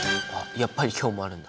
やっぱり今日もあるんだ。